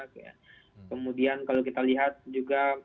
kemudian kalau kita lihat juga